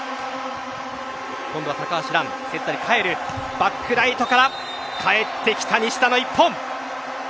バックライトから返ってきた西田の１本。